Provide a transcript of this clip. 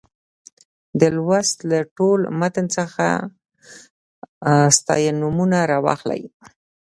دې لوست له ټول متن څخه ستاینومونه راواخلئ.